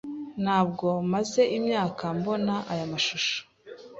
Ntabwo maze imyaka mbona aya mashusho.